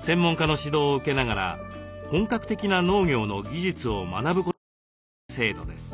専門家の指導を受けながら本格的な農業の技術を学ぶことができる制度です。